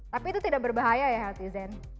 tapi itu tidak berbahaya ya healthyzen